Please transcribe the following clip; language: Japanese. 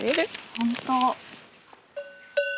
本当！